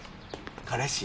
彼氏？